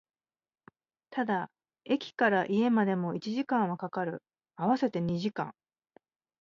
ただ、駅から家までも一時間は掛かる、合わせて二時間